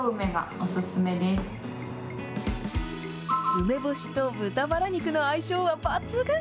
梅干しと豚ばら肉の相性は抜群。